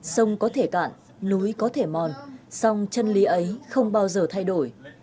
sông có thể cạn núi có thể mòn sông chân lý ấy không bao giờ thay đổi